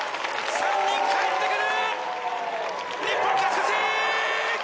３人かえってくる！